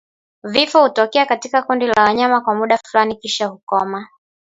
Vifo hutokea katika kundi la wanyama kwa muda Fulani kisha hukoma